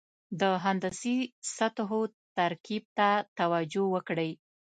د هندسي سطحو ترکیب ته توجه وکړئ.